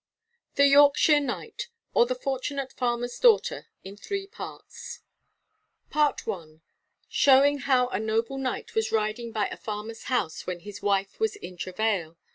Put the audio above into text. THE YORKSHIRE KNIGHT, OR THE FORTUNATE FARMER'S DAUGHTER, IN THREE PARTS. PART I. Showing how a noble Knight was riding by a farmer's house, when his wife was in travail.